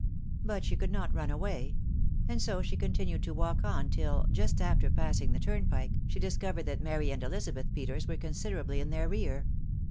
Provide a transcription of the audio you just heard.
Sot ahe could not run away ; and so she continued to walk on till, jxawt after passing the turnpike, Bhe discovered that Mary and FiKiralTrfr Peters were considerably in their rear.